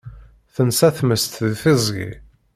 Tensa tmest di tiẓgi.